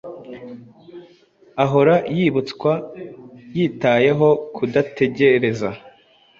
Ahora yibutswa yitayeho kudategereza